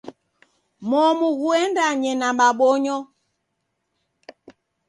Momu ghuendanye na mabonyo.